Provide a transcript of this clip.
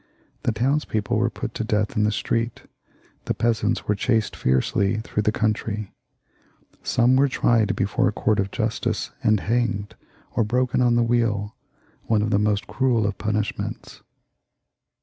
The townspeople were put to death in the street, the peasants were chased fiercely through the country; some were X \i xxxviiL] CHARLES IX. 275 tried before a court of justice and hanged, or broken on the wheel, one of the most cruel of punishments.